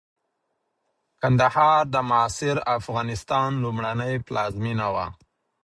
کندهار د معاصر افغانستان لومړنۍ پلازمېنه وه.